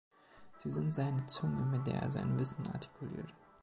Sie sind seine Zunge, mit der er sein Wissen artikuliert.